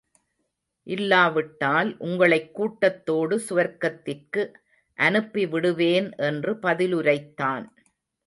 இல்லாவிட்டால் உங்களைக் கூட்டத்தோடு சுவர்க்கத்திற்கு அனுப்பிவிடுவேன் என்று பதிலுரைத்தான்.